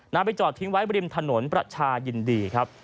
ไปจอดทิ้งไว้บริมถนนประชายินดีครับ